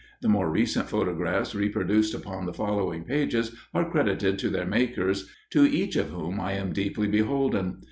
The more recent photographs reproduced upon the following pages are credited to their makers, to each of whom I am deeply beholden.